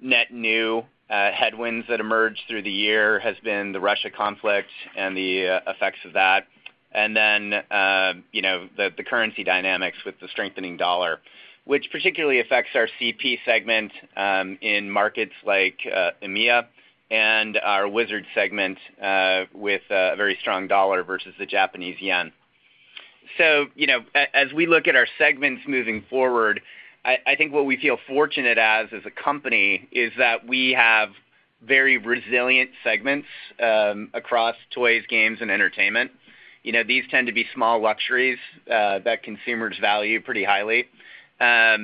net new headwinds that emerged through the year has been the Russia conflict and the effects of that, and then the currency dynamics with the strengthening dollar, which particularly affects our CP segment in markets like EMEA and our Wizards segment with a very strong dollar versus the Japanese yen. As we look at our segments moving forward, I think what we feel fortunate as a company is that we have very resilient segments across toys, games, and entertainment. You know, these tend to be small luxuries that consumers value pretty highly. Our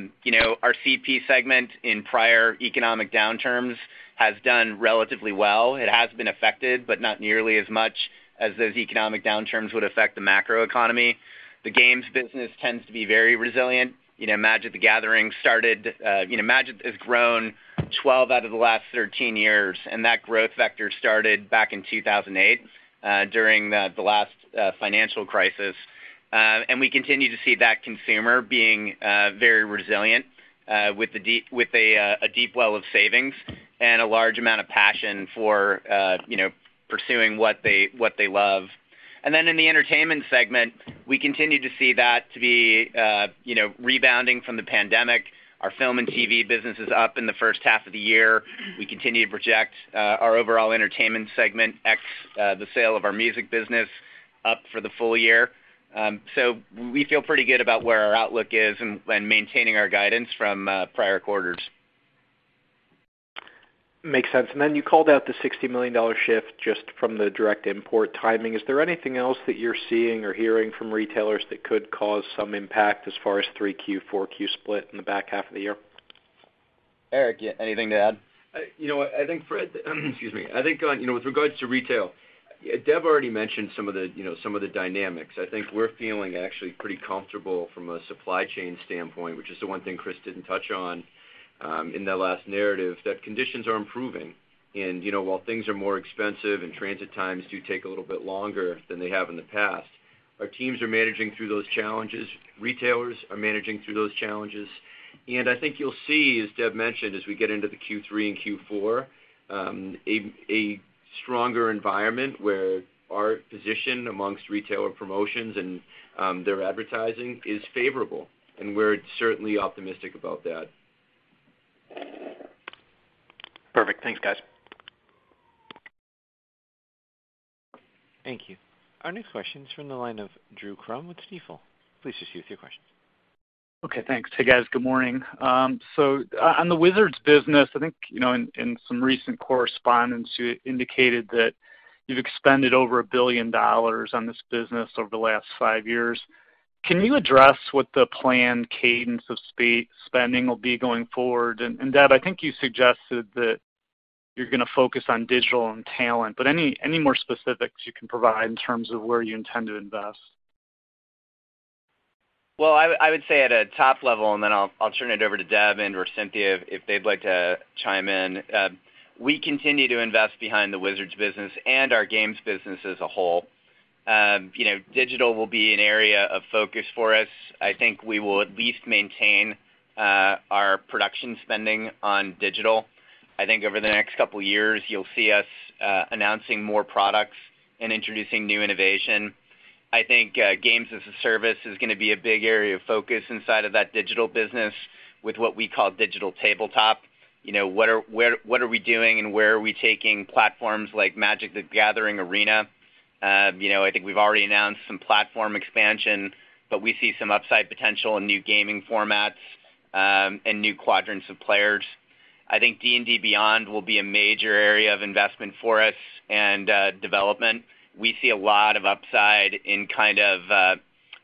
CP segment in prior economic downturns has done relatively well. It has been affected, but not nearly as much as those economic downturns would affect the macroeconomy. The games business tends to be very resilient. You know, Magic: The Gathering started, you know, Magic has grown 12 out of the last 13 years, and that growth vector started back in 2008 during the last financial crisis. We continue to see that consumer being very resilient with a deep well of savings and a large amount of passion for pursuing what they love. Then in the entertainment segment, we continue to see that to be rebounding from the pandemic. Our film and TV business is up in the first half of the year. We continue to project our overall entertainment segment excluding the sale of our music business up for the full-year. We feel pretty good about where our outlook is and maintaining our guidance from prior quarters. Makes sense. Then you called out the $60 million shift just from the direct import timing. Is there anything else that you're seeing or hearing from retailers that could cause some impact as far as Q3 and Q4 split in the back half of the year? Eric, anything to add? You know what? I think, Fred, excuse me. I think, with regards to retail, Deb already mentioned some of the dynamics. I think we're feeling actually pretty comfortable from a supply chain standpoint, which is the one thing Chris didn't touch on in that last narrative, that conditions are improving. While things are more expensive and transit times do take a little bit longer than they have in the past, our teams are managing through those challenges, retailers are managing through those challenges. I think you'll see, as Deb mentioned, as we get into the Q3 and Q4, a stronger environment where our position amongst retailer promotions and their advertising is favorable, and we're certainly optimistic about that. Perfect. Thanks, guys. Thank you. Our next question is from the line of Drew Crum with Stifel. Please proceed with your question. Okay, thanks. Hey, guys. Good morning. On the Wizards business, I think, in some recent correspondence, you indicated that you've expended over $1 billion on this business over the last 5 years. Can you address what the planned cadence of spending will be going forward? Deb, I think you suggested that you're gonna focus on digital and talent, but any more specifics you can provide in terms of where you intend to invest? Well, I would say at a top level, and then I'll turn it over to Deb and or Cynthia if they'd like to chime in. We continue to invest behind the Wizards business and our games business as a whole. Digital will be an area of focus for us. I think we will at least maintain our production spending on digital. I think over the next couple years, you'll see us announcing more products and introducing new innovation. I think games as a service is gonna be a big area of focus inside of that digital business with what we call digital tabletop. What are we doing and where are we taking platforms like Magic: The Gathering Arena? I think we've already announced some platform expansion, but we see some upside potential in new gaming formats, and new quadrants of players. I think D&D Beyond will be a major area of investment for us and development. We see a lot of upside in kind of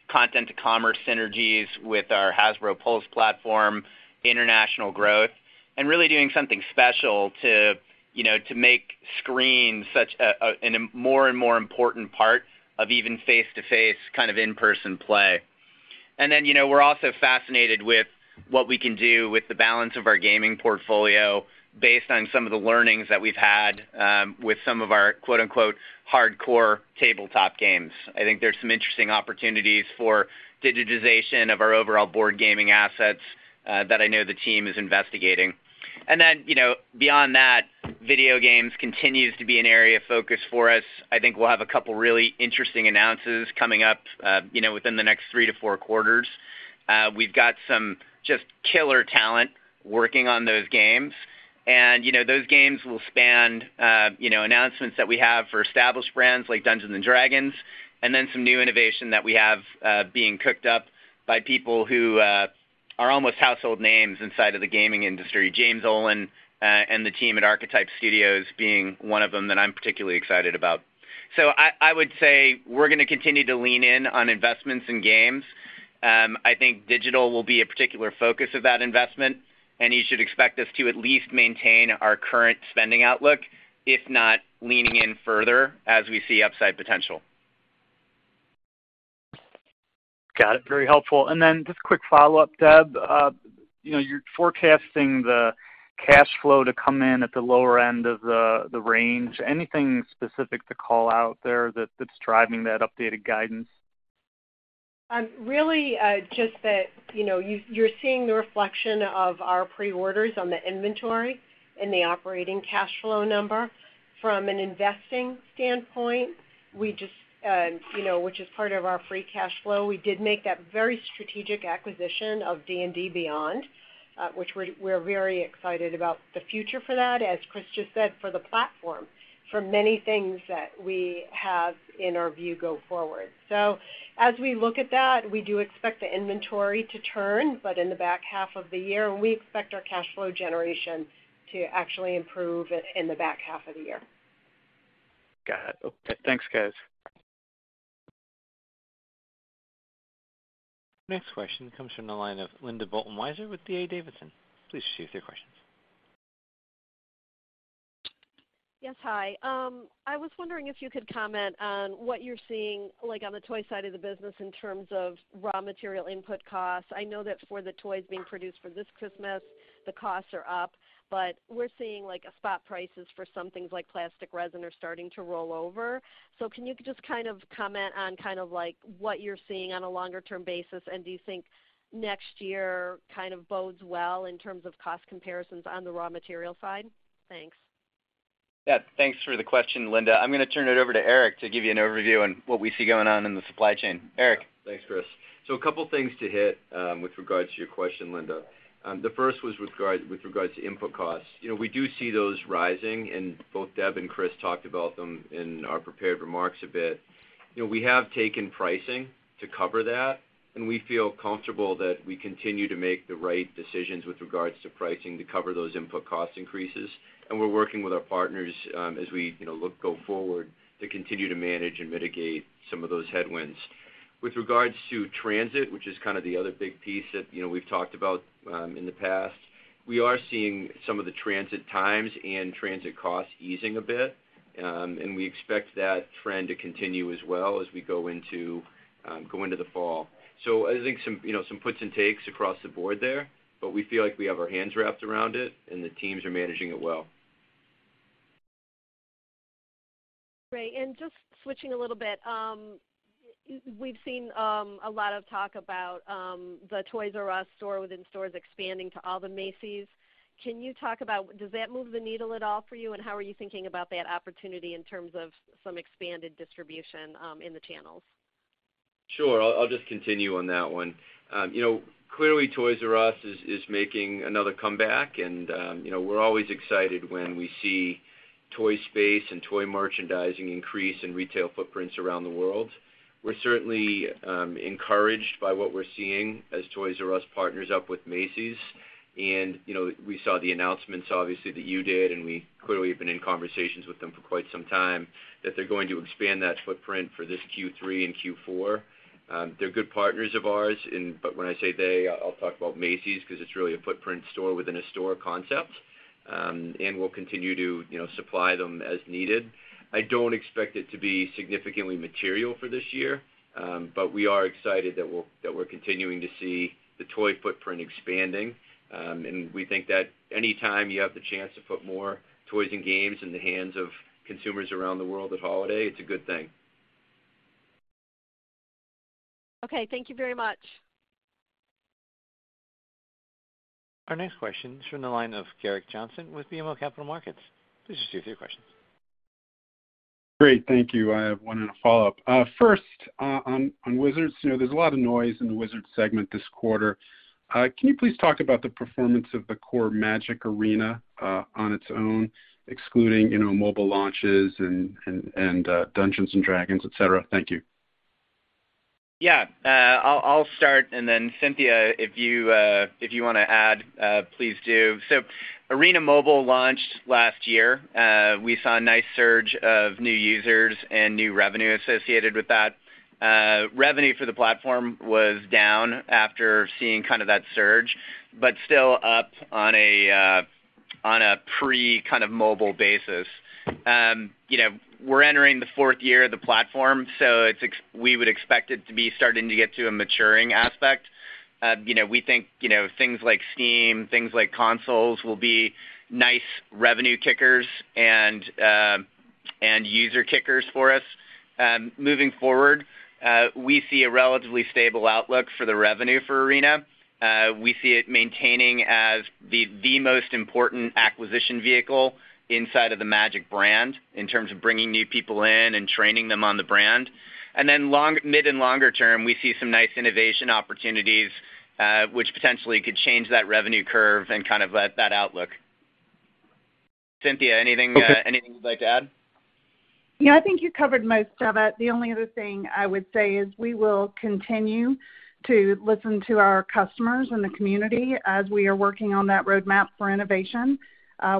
content to commerce synergies with our Hasbro Pulse platform, international growth, and really doing something special, you know, to make screen such a more and more important part of even face-to-face kind of in-person play. We're also fascinated with what we can do with the balance of our gaming portfolio based on some of the learnings that we've had with some of our quote-unquote hardcore tabletop games. I think there's some interesting opportunities for digitization of our overall board gaming assets that I know the team is investigating. Beyond that, video games continues to be an area of focus for us. I think we'll have a couple really interesting announcements coming up, you know, within the next three to four quarters. We've got some just killer talent working on those games, and, those games will span, announcements that we have for established brands like Dungeons & Dragons, and then some new innovation that we have, being cooked up by people who, are almost household names inside of the gaming industry, James Ohlen, and the team at Archetype Entertainment being one of them that I'm particularly excited about. I would say we're gonna continue to lean in on investments in games. I think digital will be a particular focus of that investment, and you should expect us to at least maintain our current spending outlook, if not leaning in further as we see upside potential. Then just quick follow-up, Deb. You're forecasting the cash flow to come in at the lower end of the range. Anything specific to call out there that's driving that updated guidance? Really, just that, you're seeing the reflection of our pre-orders on the inventory and the operating cash flow number. From an investing standpoint, we just, you know, which is part of our free cash flow, we did make that very strategic acquisition of D&D Beyond, which we're very excited about the future for that, as Chris just said, for the platform, for many things that we have in our view go forward. As we look at that, we do expect the inventory to turn, but in the back half of the year, and we expect our cash flow generation to actually improve in the back half of the year. Got it. Thanks, guys. Next question comes from the line of Linda Bolton-Weiser with D.A. Davidson. Please proceed with your questions. Yes. Hi. I was wondering if you could comment on what you're seeing, like, on the toy side of the business in terms of raw material input costs. I know that for the toys being produced for this Christmas, the costs are up, but we're seeing, like, spot prices for some things like plastic resin are starting to roll over. So can you just kind of comment on kind of, like, what you're seeing on a longer term basis? Do you think next year kind of bodes well in terms of cost comparisons on the raw material side? Thanks. Yeah. Thanks for the question, Linda. I'm gonna turn it over to Eric to give you an overview on what we see going on in the supply chain. Eric. Thanks, Chris. A couple things to hit with regards to your question, Linda. The first was with regards to input costs. We do see those rising, and both Deb and Chris talked about them in our prepared remarks a bit. You know, we have taken pricing to cover that, and we feel comfortable that we continue to make the right decisions with regards to pricing to cover those input cost increases. We're working with our partners as we look forward to continue to manage and mitigate some of those headwinds. With regards to transit, which is kind of the other big piece that, you know, we've talked about in the past, we are seeing some of the transit times and transit costs easing a bit, and we expect that trend to continue as well as we go into the fall. I think some puts and takes across the board there, but we feel like we have our hands wrapped around it, and the teams are managing it well. Great. Just switching a little bit, we've seen a lot of talk about the Toys"R"Us shop-in-shop expanding to all the Macy's. Can you talk about does that move the needle at all for you? How are you thinking about that opportunity in terms of some expanded distribution in the channels? Sure. I'll just continue on that one. You know, clearly Toys"R"Us is making another comeback and, we're always excited when we see toy space and toy merchandising increase in retail footprints around the world. We're certainly encouraged by what we're seeing as Toys"R"Us partners up with Macy's, and, we saw the announcements obviously that you did, and we clearly have been in conversations with them for quite some time, that they're going to expand that footprint for this Q3 and Q4. They're good partners of ours, but when I say they, I'll talk about Macy's 'cause it's really a footprint store within a store concept. We'll continue to, supply them as needed. I don't expect it to be significantly material for this year, but we are excited that we're continuing to see the toy footprint expanding, and we think that any time you have the chance to put more toys and games in the hands of consumers around the world at holiday, it's a good thing. Okay, thank you very much. Our next question is from the line of Gerrick Johnson with BMO Capital Markets. Please just give your question. Great. Thank you. I have one follow-up. First, on Wizards. There's a lot of noise in the Wizards segment this quarter. Can you please talk about the performance of the core Magic Arena on its own, excluding, you know, mobile launches and Dungeons & Dragons, et cetera? Thank you. Yeah. I'll start, and then Cynthia, if you wanna add, please do. Arena Mobile launched last year. We saw a nice surge of new users and new revenue associated with that. Revenue for the platform was down after seeing kind of that surge, but still up on a pre-kind of mobile basis. You know, we're entering the fourth year of the platform, so we would expect it to be starting to get to a maturing aspect. We think, things like Steam, things like consoles will be nice revenue kickers and user kickers for us. Moving forward, we see a relatively stable outlook for the revenue for Arena. We see it maintaining as the most important acquisition vehicle inside of the Magic brand in terms of bringing new people in and training them on the brand. Medium to long term, we see some nice innovation opportunities, which potentially could change that revenue curve and kind of lift that outlook. Cynthia, anything you'd like to add? Yeah, I think you covered most of it. The only other thing I would say is we will continue to listen to our customers in the community as we are working on that roadmap for innovation.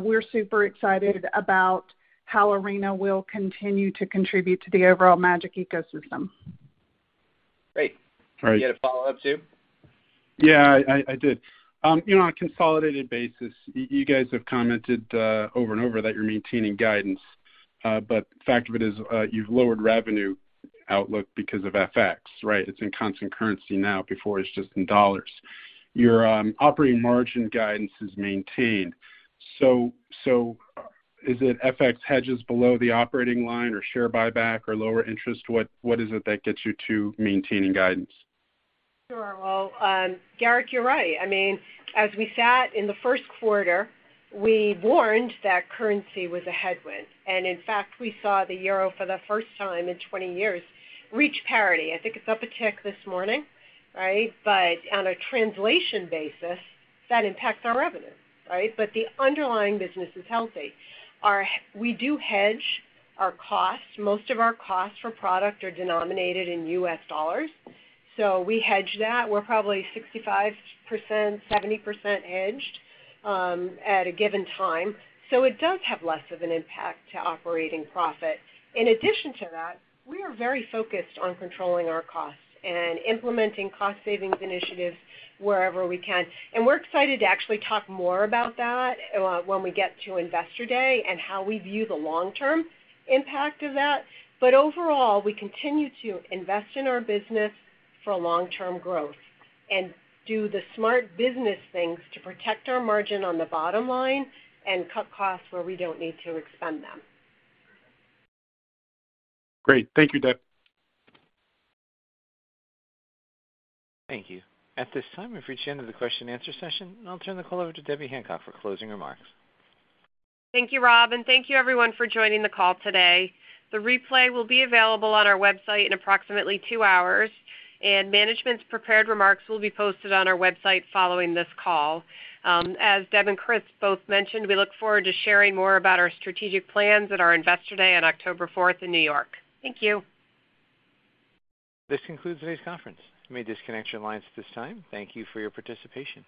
We're super excited about how Arena will continue to contribute to the overall Magic ecosystem. Great. All right. You had a follow-up too? Yeah, I did. On a consolidated basis, you guys have commented over and over that you're maintaining guidance, but the fact of it is, you've lowered revenue outlook because of FX, right? It's in constant currency now, before it's just in dollars. Your operating margin guidance is maintained. Is it FX hedges below the operating line or share buyback or lower interest? What is it that gets you to maintaining guidance? Sure. Well, Gerrick, you're right. I mean, as we sat in the H1, we warned that currency was a headwind. In fact, we saw the euro for the first time in 20 years reach parity. I think it's up a tick this morning, right? On a translation basis, that impacts our revenue, right? The underlying business is healthy. We do hedge our costs. Most of our costs for product are denominated in U.S. dollars, so we hedge that. We're probably 65%-70% hedged, at a given time, so it does have less of an impact to operating profit. In addition to that, we are very focused on controlling our costs and implementing cost savings initiatives wherever we can. We're excited to actually talk more about that, when we get to Investor Day and how we view the long-term impact of that. Overall, we continue to invest in our business for long-term growth and do the smart business things to protect our margin on the bottom line and cut costs where we don't need to expend them. Great. Thank you, Deb. Thank you. At this time, we've reached the end of the question and answer session, and I'll turn the call over to Debbie Hancock for closing remarks. Thank you, Rob, and thank you everyone for joining the call today. The replay will be available on our website in approximately two hours, and management's prepared remarks will be posted on our website following this call. As Deb and Chris both mentioned, we look forward to sharing more about our strategic plans at our Investor Day on October fourth in New York. Thank you. This concludes today's conference. You may disconnect your lines at this time. Thank you for your participation.